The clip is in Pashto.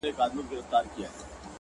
مهرباني د زړونو یخ ویلې کوي